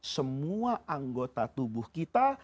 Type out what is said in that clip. semua anggota tubuh kita